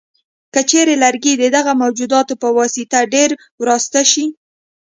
که چېرته لرګي د دغه موجوداتو په واسطه ډېر وراسته شي.